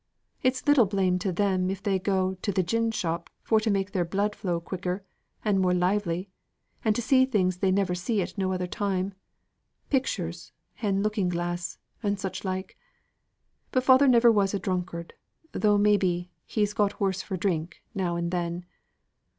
It's little blame to them if they do go into th' gin shop for to make their blood flow quicker, and more lively, and see things they never see at no other time pictures, and looking glass, and such like. But father never was a drunkard, though maybe, he's got worse for drink, now and then.